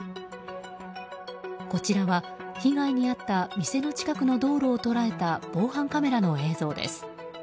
こちらは被害に遭った店の近くの道路を捉えた防犯カメラの映像です。